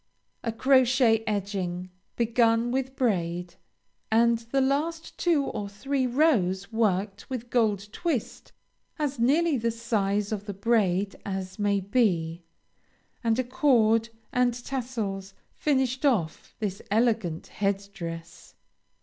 A crochet edging, begun with braid, and the last two or three rows worked with gold twist as nearly the size of the braid as may be, and a cord and tassels, finish off this elegant head dress.